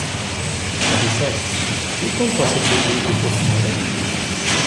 But he said: "You can't possibly leave before to-morrow."